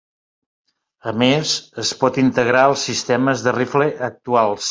A més, es pot integrar als sistemes de rifle actuals.